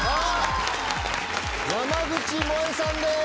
山口もえさんです！